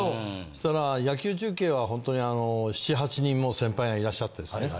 そしたら野球中継はホントに７８人も先輩がいらっしゃってですね